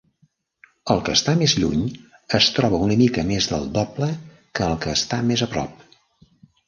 El que està més lluny es troba a una mica més del doble que el que està més a prop.